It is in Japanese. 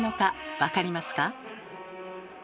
分かりますか？